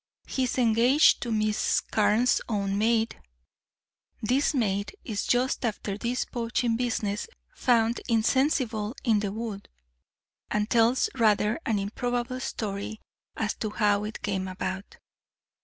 He is engaged to Miss Carne's own maid. This maid is just after this poaching business found insensible in the wood, and tells rather an improbable story as to how it came about.